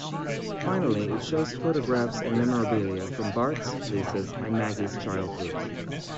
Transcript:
Finally it shows photographs and memorabilia from Bart's, Lisa's and Maggie's childhoods.